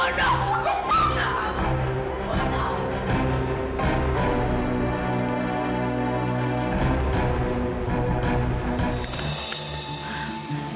dan sekarang kamu adalah pembunuh pembunuh kamu